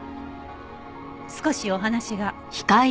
少しお話が。